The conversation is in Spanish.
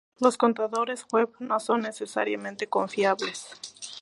Los contadores web no son necesariamente confiables.